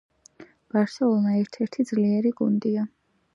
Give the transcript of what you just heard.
ბარსელონა ერთ-ერთი ძლიერი გუნდია